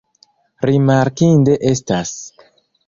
Rimarkinde estas.